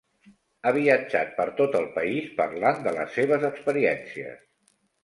Ha viatjat per tot el país parlant de les seves experiències.